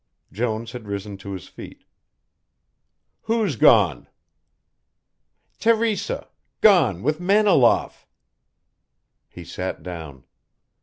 Jones had risen to his feet. "Who's gone?" "Teresa gone with Maniloff." He sat down.